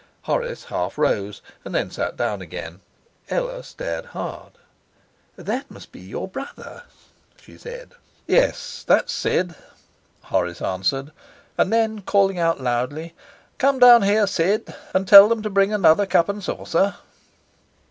Horace half rose, and then sat down again. Ella stared hard. 'That must be your brother,' she said. 'Yes, that's Sid,' Horace answered; and then, calling out loudly: 'Come down here, Sid, and tell them to bring another cup and saucer.'